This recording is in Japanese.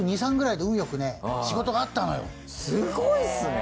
すごいですね。